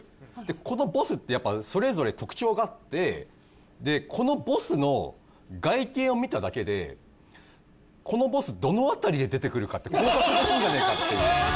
このボスってやっぱそれぞれ特徴があってこのボスの外見を見ただけでこのボスどの辺りで出てくるかって考察できんじゃねえかっていう。